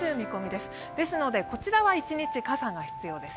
ですのでこちらは一日傘が必要です。